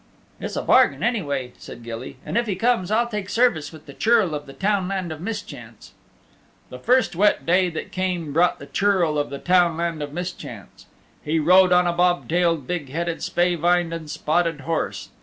"It's a bargain anyway," said Gilly, "and if he comes I'll take service with the Churl of the Townland of Mischance." The first wet day that came brought the Churl of the Townland of Mischance. He rode on a bob tailed, big headed, spavined and spotted horse.